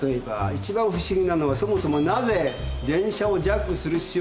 いちばん不思議なのはそもそもなぜ電車をジャックする必要があったのか。